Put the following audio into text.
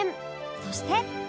そして